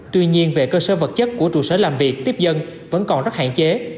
tuy nhiên về cơ sở vật chất của trụ sở làm việc tiếp dân vẫn còn rất hạn chế